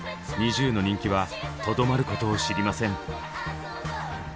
ＮｉｚｉＵの人気はとどまることを知りません。